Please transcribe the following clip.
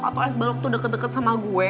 atau ice balok tuh deket deket sama gue